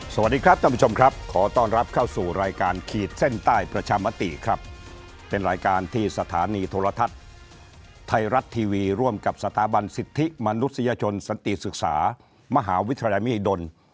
สวัสดีครับท่านผู้ชมครับขอต้อนรับเข้าสู่รายการขีดเส้นใต้ประชามติครับเป็นรายการที่สถานีโทรทัศน์ไทยรัฐทีวีร่วมกับสถาบันสิทธิมนุษยชนสันติศึกษามหาวิทยาลัยมิดล